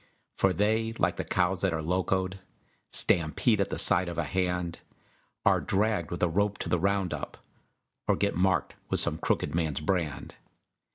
For they, like the cows that are locoed, Stampede at the sight of a hand, Are dragged with a rope to the round up, Or get marked with some crooked man's brand.